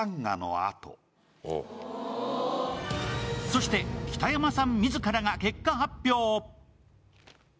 そして北山さん自らが結果発表。